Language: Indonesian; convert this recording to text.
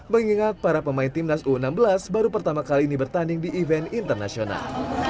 mengingat para pemain timnas u enam belas baru pertama kali ini bertanding di event internasional